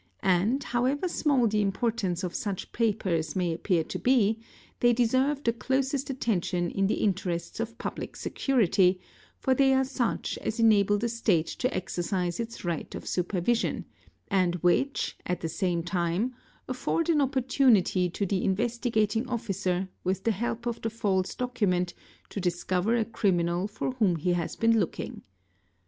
and, however small the importance of such papers may appear to be, they deserve the closest attention in the interests of public security ; for they are such as enable the State to exercise its right of supervision and which, at the same time, afford an opportunity to the Investigating Officer with the help of the false document to discover a criminal for whom he has been looking.